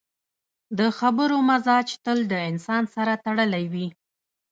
د خبرو مزاج تل د انسان سره تړلی وي